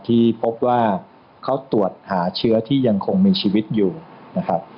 ที่พบว่าเขาตรวจหาเชื้อที่ยังคงมีชีวิตอยู่นะครับ